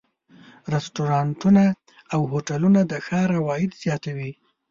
رستورانتونه او هوټلونه د ښار عواید زیاتوي.